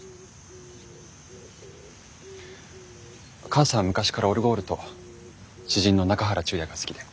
母さんは昔からオルゴールと詩人の中原中也が好きで。